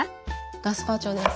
ガスパチョです。